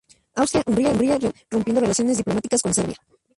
Austria-Hungría reaccionó rompiendo relaciones diplomáticas con Serbia.